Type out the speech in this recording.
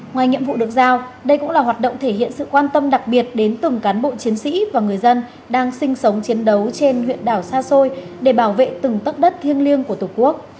ngoài nhiệm vụ được giao đây cũng là hoạt động thể hiện sự quan tâm đặc biệt đến từng cán bộ chiến sĩ và người dân đang sinh sống chiến đấu trên huyện đảo xa xôi để bảo vệ từng tất đất thiêng liêng của tổ quốc